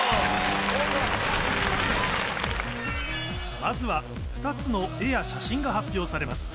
まずは２つの絵や写真が発表されます